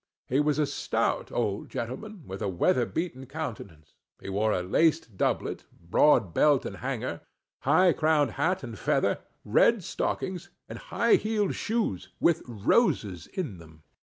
He was a stout old gentleman, with a weather beaten countenance; he wore a laced doublet, broad belt and hanger, high crowned hat and feather, red stockings, and high heeled shoes, with roses in them.